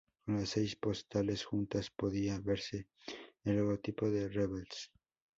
Con las seis postales juntas, podía verse el logotipo de "Rebels".